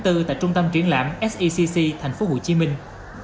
tại trung tâm triển lãm secc thành phố hồ chí minh